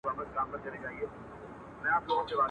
په سترگو گوري، په زوى لوړي.